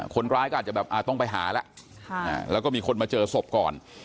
คนร้ายก็อาจจะแบบต้องไปหาแล้วแล้วก็มีคนมาเจอศพก่อน